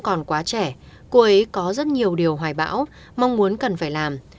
cô ấy có rất nhiều điều hoài bão mong muốn cần phải làm